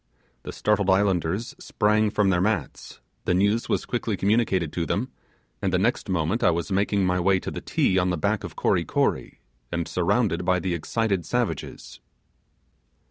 The startled islanders sprang from their mats; the news was quickly communicated to them; and the next moment I was making my way to the Ti on the back of Kory Kory; and surrounded by the excited savages.